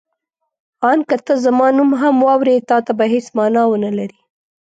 آن که ته زما نوم هم واورې تا ته به هېڅ مانا ونه لري.